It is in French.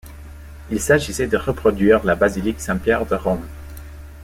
Il s'agissait de reproduire la basilique Saint-Pierre de Rome.